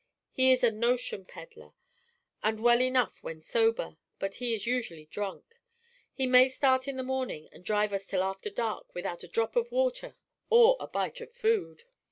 He is a notion peddler, and well enough when sober, but he is usually drunk. He may start in the morning and drive us till after dark without a drop of water or bite of food."